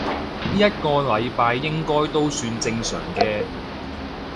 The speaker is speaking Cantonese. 一個禮拜應該都算正常嘅